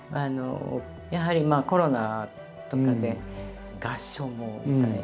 やはりコロナとかで合唱も歌えない。